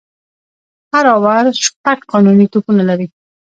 هر آور شپږ قانوني توپونه لري.